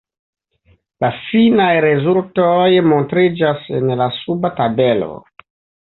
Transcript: La finaj rezultoj montriĝas en la suba tabelo.